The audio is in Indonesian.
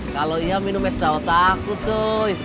kalau iya minum es daun takut cuy